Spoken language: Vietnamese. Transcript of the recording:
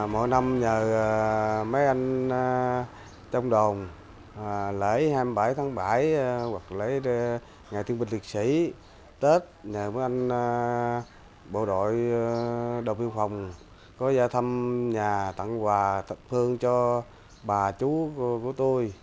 mỗi năm nhờ mấy anh trong đồn lễ hai mươi bảy tháng bảy hoặc lễ ngày thiên bình liệt sĩ tết nhờ mấy anh bộ đội đồng viên phòng có gia thăm nhà tặng quà thật phương cho bà chú của tôi